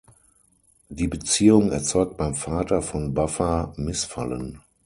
Die Beziehung erzeugt beim Vater von Buffer Missfallen.